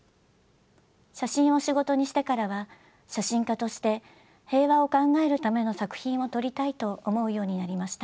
写真を仕事にしてからは写真家として平和を考えるための作品を撮りたいと思うようになりました。